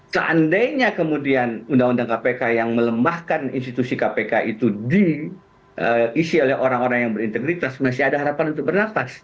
seandainya kemudian undang undang kpk yang melemahkan institusi kpk itu diisi oleh orang orang yang berintegritas masih ada harapan untuk bernafas